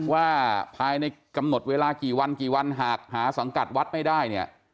ว่าภายในกำหนดเวลากี่วันกี่วันหากหาสังกัดวัดไม่ได้เนี่ย